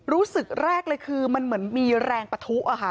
รู้สึกแรกเลยคือมันเหมือนมีแรงปะทุอะค่ะ